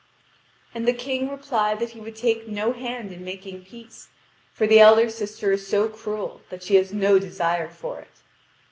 And the King replied that he would take no hand in making peace, for the elder sister is so cruel that she has no desire for it.